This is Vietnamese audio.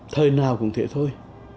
thời nào cũng thế thôi